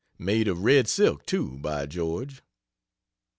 Made of red silk, too, by George.